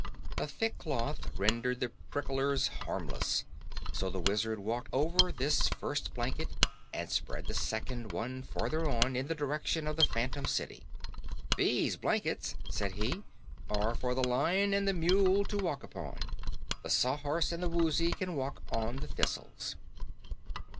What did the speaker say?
The thick cloth rendered the prickers harmless, so the Wizard walked over this first blanket and spread the second one farther on, in the direction of the phantom city. "These blankets," said he, "are for the Lion and the Mule to walk upon. The Sawhorse and the Woozy can walk on the thistles."